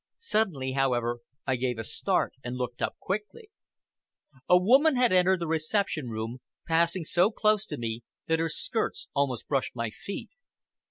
Suddenly, however, I gave a start and looked up quickly. A woman had entered the reception room, passing so close to me that her skirts almost brushed my feet.